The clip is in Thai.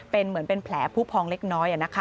เป็นเหมือนเป็นแผลผู้พองเล็กน้อย